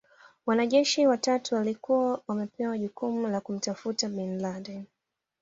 Wanajeshi watatu walikuwa wamepewa jukumu la kumtafuta Bin Laden